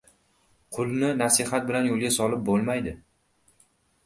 • Qulni nasihat bilan yo‘lga solib bo‘lmaydi.